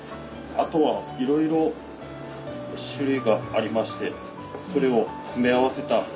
あとはいろいろ種類がありましてそれを詰め合わせた。